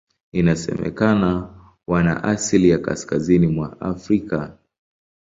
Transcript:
Inasemekana wana asili ya Kaskazini mwa Afrika.